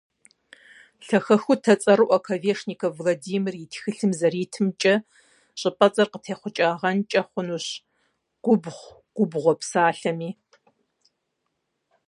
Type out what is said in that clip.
Лъахэхутэ цӀэрыӀуэ Ковешников Владимир и тхылъым зэритымкӀэ, щӀыпӀэцӀэр къытехъукӀагъэнкӀэ хъунущ «губгъу» - «губгъуэ» псалъэми.